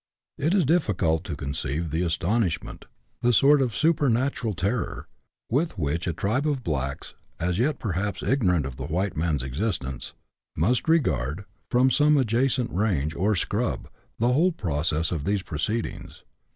It is difficult to conceive the astonishment, the sort of supernatural terror, with which a tribe of blacks, as yet perhaps ignorant of the white man's existence, must regard, from some adjacent range or "scrub," the whole of these proceedings.